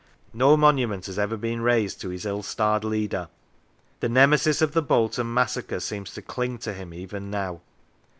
No monument has ever been raised to his ill starred leader. The Nemesis of the Bolt on massacre seems to cling to him even now.